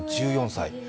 １４歳。